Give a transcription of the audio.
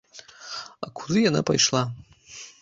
А куды яна пайшла?